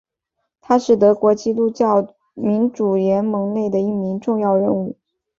他是德国基督教民主联盟内的一名重要人物。